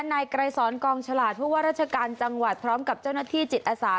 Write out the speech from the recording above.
นายไกรสอนกองฉลาดผู้ว่าราชการจังหวัดพร้อมกับเจ้าหน้าที่จิตอาสา